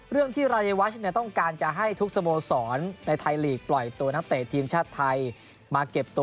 เรื่องที่รายวัชต้องการจะให้ทุกสโมสรในไทยลีกปล่อยตัวนักเตะทีมชาติไทยมาเก็บตัว